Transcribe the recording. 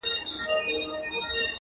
غوږ سه ورته;